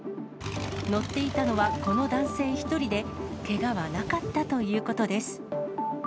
乗っていたのはこの男性１人で、けがはなかったということです。